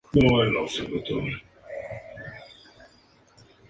Se desconoce si el fármaco aplicado tópicamente se excreta con la leche materna.